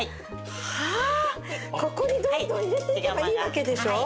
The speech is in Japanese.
はあここにどんどん入れていけばいいわけでしょ？